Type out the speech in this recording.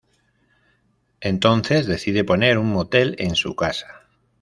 Entonces, decide poner un motel en su casa.